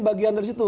bagian dari situ